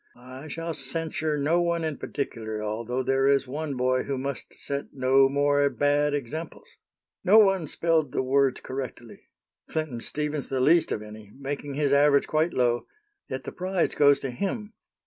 I shall censure no one in particular, although there is one boy who must set no more bad examples. No one spelled the words correctly Clinton Stevens the least of any making his average quite low; yet the prize goes to him.